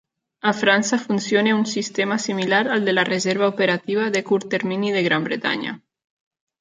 A França funciona un sistema similar al de la Reserva Operativa de Curt Termini de Gran Bretanya.